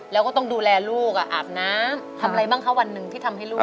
แล้วก็ต้องดูแลลูกอาบน้ำทำอะไรบ้างคะวันหนึ่งที่ทำให้ลูก